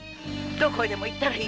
どこへでも行けばいい！